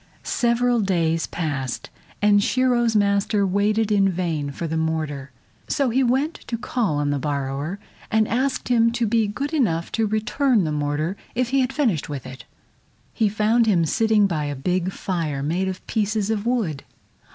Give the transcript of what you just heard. Several days passed, and Shiro's master waited in vain for the mortar, so he went to call on the borrower, and asked him to be good enough to return the mortar if he had finished with it. He found him sitting by a big fire made of pieces of wood.